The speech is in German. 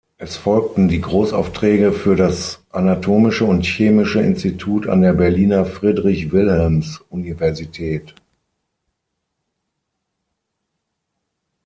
Es folgten die Großaufträge für das Anatomische und Chemische Institut an der Berliner Friedrich-Wilhelms-Universität.